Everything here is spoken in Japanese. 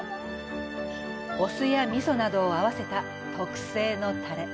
お酢や味噌などを合わせた特製のタレ。